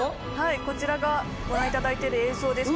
こちらがご覧いただいている映像です